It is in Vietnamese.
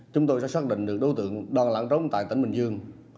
chúng tôi sẽ xác định được đối tượng đoàn lãng trống tại tỉnh bình dương